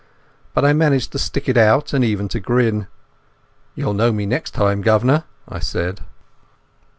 But I managed to stick it out and even to grin. "You'll know me next time, guv'nor," I said.